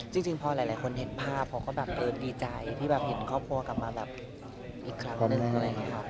จริงพอหลายคนเห็นภาพเขาก็แบบดีใจที่แบบเห็นครอบครัวกลับมาแบบอีกครั้งหนึ่งอะไรอย่างนี้ครับ